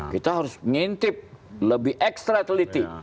kita harus mengintip lebih ekstra teliti